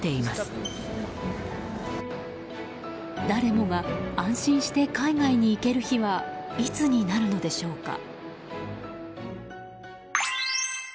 誰もが安心して海外に行ける日はいつになるのでしょうか。